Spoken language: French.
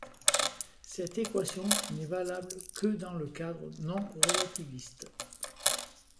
Cette équation n'est valable que dans le cadre non relativiste.